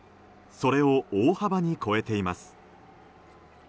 それを大幅に超えています。